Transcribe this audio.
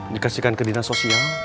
dikasihkan ke dinas sosial